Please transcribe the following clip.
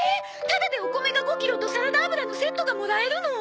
タダでお米が５キロとサラダ油のセットがもらえるの！？